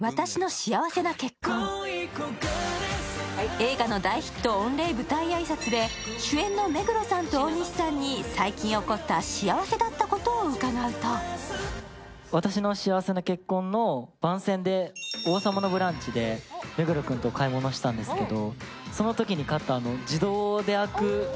映画の大ヒット御礼舞台挨拶で主演の目黒さんと大西さんに最近起こった幸せだったことを伺うと「わたしの幸せな結婚」の番宣で「王様のブランチ」で目黒君と買い物したんですけど。